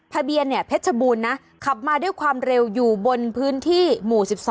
ทะเบียนเนี่ยเพชรบูรณ์นะขับมาด้วยความเร็วอยู่บนพื้นที่หมู่๑๒